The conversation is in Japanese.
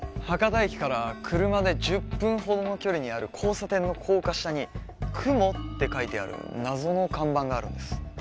博多駅から車で１０分ほどの距離にある交差点の高架下に雲って書いてある謎の看板があるんです